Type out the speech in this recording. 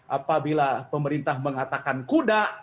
apabila pemerintah mengatakan kuda